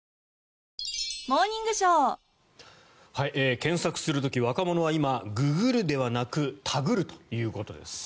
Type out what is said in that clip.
検索する時若者は今ググるではなくタグるということです。